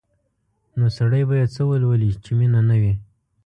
نو سړی به یې څه ولولي چې مینه نه وي؟